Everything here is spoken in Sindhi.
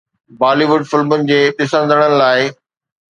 بالي ووڊ فلمن جي ڏسندڙن لاء